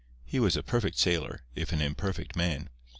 He was a perfect sailor, if an imperfect man.